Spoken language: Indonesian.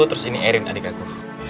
terus ini erin adik aku